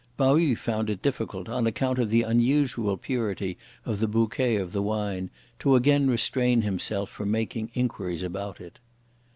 Pao yü found it difficult, on account of the unusual purity of the bouquet of the wine, to again restrain himself from making inquiries about it.